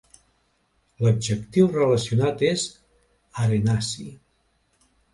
L'adjectiu relacionat és "arenaci".